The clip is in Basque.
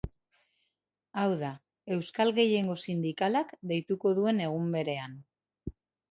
Hau da, euskal gehiengo sindikalak deituko duen egun berean.